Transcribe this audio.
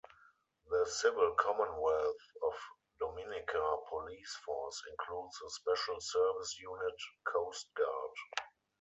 The civil Commonwealth of Dominica Police Force includes a Special Service Unit, Coast Guard.